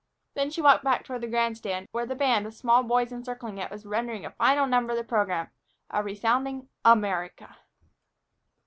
Then she walked back toward the grand stand, where the band, with small boys encircling it, was rendering the final number of the program, a resounding "America."